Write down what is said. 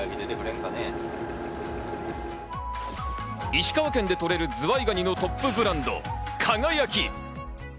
石川県で取れるズワイガニのトップブランド「輝」。